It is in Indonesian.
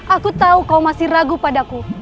aku tahu kau masih ragu padaku